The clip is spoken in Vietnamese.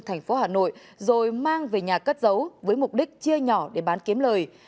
thành phố hà nội rồi mang về nhà cất giấu với mục đích chia nhỏ để bán kiếm lời